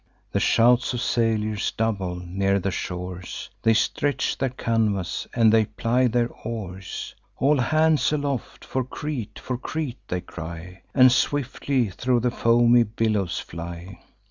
The shouts of sailors double near the shores; They stretch their canvas, and they ply their oars. 'All hands aloft! for Crete! for Crete!' they cry, And swiftly thro' the foamy billows fly.